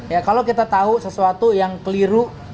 ya kalo kita tau sesuatu yang keliru